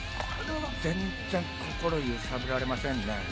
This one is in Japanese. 全然心揺さぶられませんね。